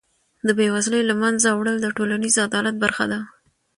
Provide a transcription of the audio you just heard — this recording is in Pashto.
د بېوزلۍ له منځه وړل د ټولنیز عدالت برخه ده.